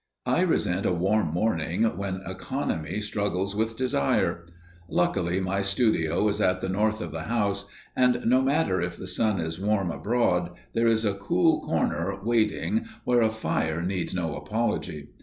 I resent a warm morning, when economy struggles with desire. Luckily my studio is at the north of the house, and, no matter if the sun is warm abroad, there is a cool corner waiting where a fire needs no apology.